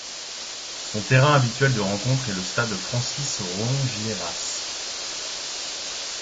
Son terrain habituel de rencontres est le stade Francis-Rongiéras.